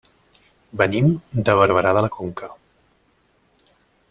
Venim de Barberà de la Conca.